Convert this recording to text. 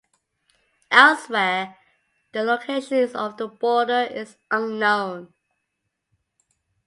Elsewhere, the location of the border is unknown.